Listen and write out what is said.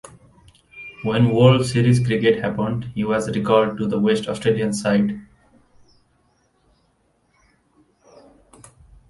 When World Series Cricket happened he was recalled to the West Australian side.